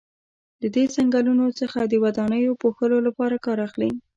له دغو څنګلونو څخه د ودانیو پوښلو لپاره کار اخلي.